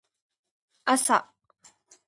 朝